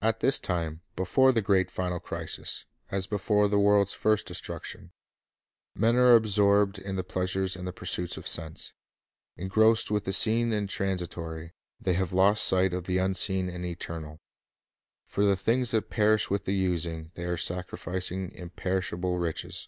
At this time, before the great final crisis, as before the world's first destruction, men are absorbed in the pleasures and the pursuits of sense. Engrossed with the seen and transitory, they have lost sight of the unseen and eternal. For the things that perish with the using, they are sacrificing imperishable riches.